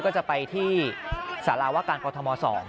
ก็จะไปที่สารวการกรทม๒